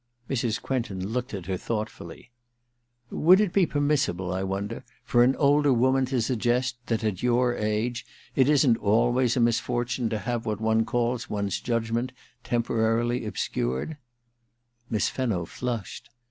Mrs. Quentin looked at her thoughtfully. •Would it be permissible, I wonder, for an older woman to suggest that, at your age, it isn't always a misfortune to have what one calls one's judgment temporarily obscured ?* II THE QUICKSAND 295 Miss Fenno flushed.